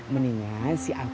mendingan si afril